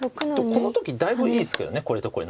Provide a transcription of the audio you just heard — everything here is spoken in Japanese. この時だいぶいいですけどこれとこれない方が。